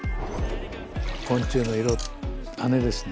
昆虫の色羽ですね。